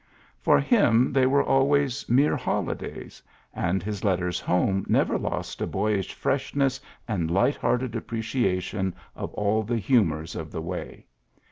For him they were always mere holidays, and his let ters home never lost a boyish freshness and light hearted appreciation of all the humors of the way.